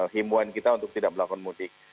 himbuan kita untuk tidak melakukan mudik